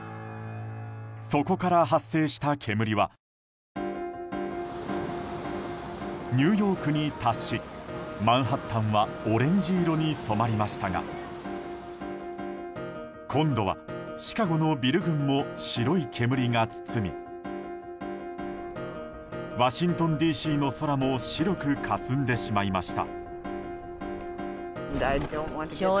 そこから発生した煙はニューヨークに達しマンハッタンはオレンジ色に染まりましたが今度はシカゴのビル群も白い煙が包みワシントンＤＣの空も白くかすんでしまいました。